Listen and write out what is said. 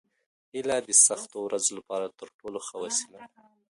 هیله د سختو ورځو لپاره تر ټولو ښه وسله ده.